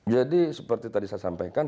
jadi seperti tadi saya sampaikan